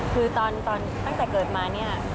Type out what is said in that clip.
คือตอนตั้งแต่เกิดมา